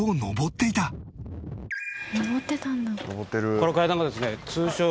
この階段がですね